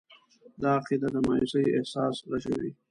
دا عقیده د مایوسي احساس رژوي.